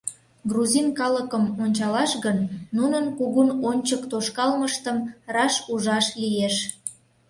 Грузин калыкым ончалаш гын, нунын кугун ончык тошкалмыштым раш ужаш лиеш.